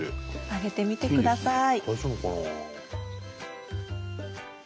あげてみてください。